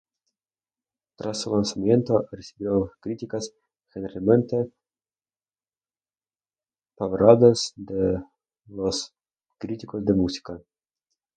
Tras su lanzamiento, recibió críticas generalmente favorables de los críticos de música.